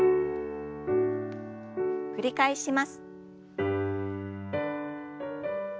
繰り返します。